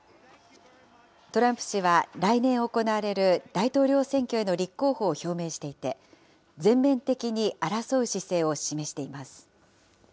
トランプ氏は来年行われる大統領選挙への立候補を表明していて、全面的に争う姿勢を示しています。